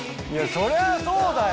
そりゃそうだよ。